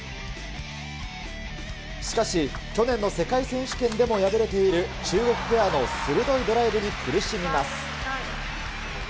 しかし、去年の世界選手権でも敗れている中国ペアの鋭いドライブに苦しみます。